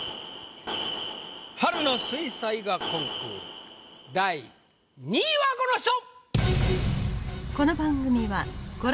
春の水彩画コンクール第２位はこの人！